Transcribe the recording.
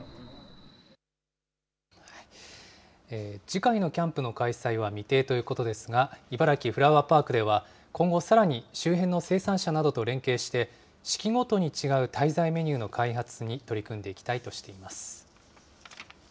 次回のキャンプの開催は未定ということですが、いばらきフラワーパークでは、今後さらに周辺の生産者などと連携して、四季ごとに違う滞在メニューの開発に取り組んでいきたいとしています。